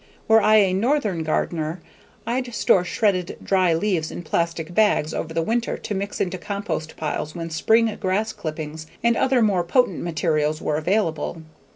Were I a northern gardener I'd store shredded dry leaves in plastic bags over the winter to mix into compost piles when spring grass clippings and other more potent materials were available.